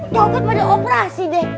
jangan pada operasi deh